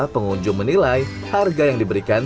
pengunjung menilai harga yang diberikan